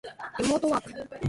リモートワーク